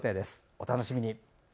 お楽しみに。